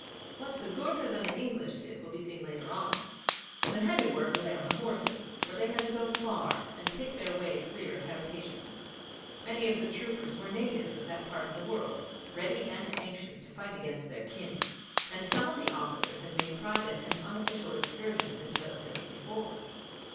What the Goorkhas and the English did will be seen later on. The heavy work lay with the horses, for they had to go far and pick their way clear of habitations. Many of the troopers were natives of that part of the world, ready and anxious to fight against their kin, and some of the officers had made private and unofficial excursions into those hills before.